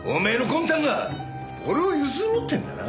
俺をゆすろうってんだな？